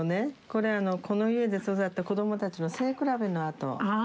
これあのこの家で育った子どもたちの背比べの跡。